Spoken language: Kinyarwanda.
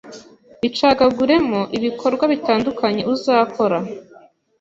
Bicagaguremo ibikorwa bitandukanye uzakora